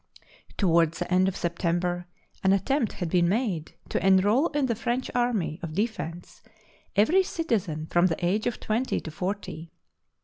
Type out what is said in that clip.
Toward the end of September an at tempt had been made to enrol in the French army of defence every citizen from the age of twenty to forty.